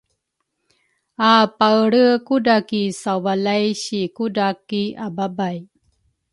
apaelre kudra ki sawvalay si kudra ki ababay